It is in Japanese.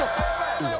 いいの？